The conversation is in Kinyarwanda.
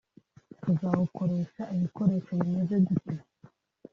tuzawukoresha ibikoresho bimeze gute